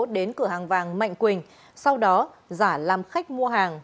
đến cửa hàng vàng mạnh quỳnh sau đó giả làm khách mua hàng